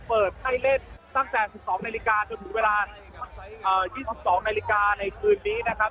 เปิดให้เล่นตั้งแต่๑๒นาฬิกาจนถึงเวลา๒๒นาฬิกาในคืนนี้นะครับ